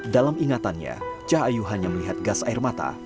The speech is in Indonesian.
dalam ingatannya cahayu hanya melihat gas air mata